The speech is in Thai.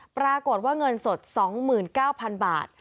ปรากฏว่าเงินสด๒๙๐๐๐บาท